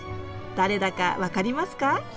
誰だか分かりますか？